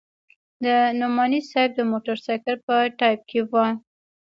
د نعماني صاحب د موټرسایکل په ټایپ کې وه.